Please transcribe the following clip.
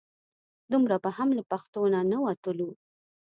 دومره به هم له پښتو نه نه وتلو.